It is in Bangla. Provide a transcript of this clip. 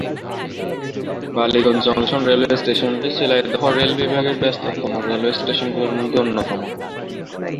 বালিগঞ্জ জংশন রেলওয়ে স্টেশনটি শিয়ালদহ রেল বিভাগের ব্যস্ততম রেলওয়ে স্টেশনগুলির মধ্যে অন্যতম।